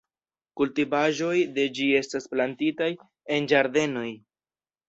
Kultivaĵoj de ĝi estas plantitaj en ĝardenoj.